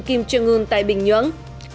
kim trương ngân tại bình nhưỡng